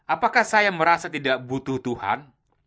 apakah saya merasa tidak butuh tuhan